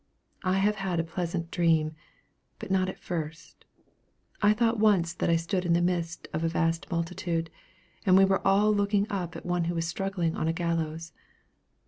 I have had a pleasant dream, but not at first. I thought once that I stood in the midst of a vast multitude, and we were all looking up at one who was struggling on a gallows.